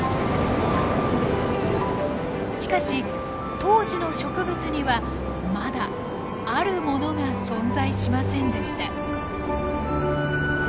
しかし当時の植物にはまだあるものが存在しませんでした。